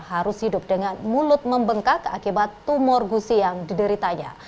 harus hidup dengan mulut membengkak akibat tumor gusi yang dideritanya